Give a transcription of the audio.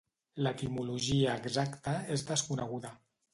L'etimologia exacta és desconeguda.